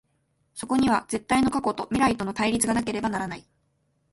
そこには絶対の過去と未来との対立がなければならない。